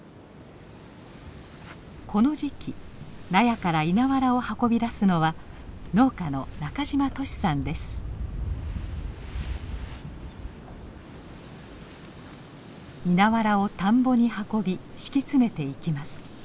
この時期納屋から稲わらを運び出すのは農家の稲わらを田んぼに運び敷き詰めていきます。